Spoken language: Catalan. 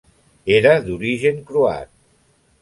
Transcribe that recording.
Era d'origen croat.